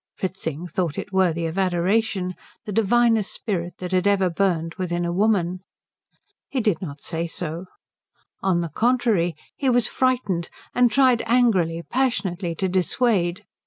Fritzing thought it worthy of adoration; the divinest spirit that had ever burned within a woman. He did not say so. On the contrary, he was frightened, and tried angrily, passionately, to dissuade.